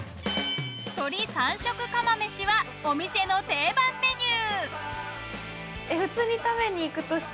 とり３色釜飯はお店の定番メニュー。